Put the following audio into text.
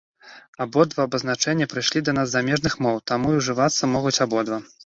Абодва абазначэння прыйшлі да нас з замежных моў, таму і ўжывацца могуць абодва.